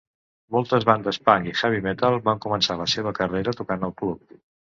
Moltes bandes punk i heavy metal van començar la seva carrera tocant al club.